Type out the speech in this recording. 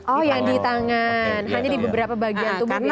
oh yang di tangan hanya di beberapa bagian tubuhnya